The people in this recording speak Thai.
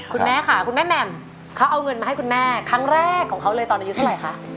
คุณแม่ค่ะคุณแม่แหม่มเขาเอาเงินมาให้คุณแม่ครั้งแรกของเขาเลยตอนอายุเท่าไหร่คะ